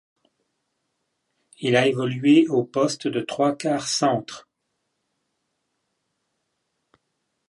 Il a évolué au poste de trois-quarts centre.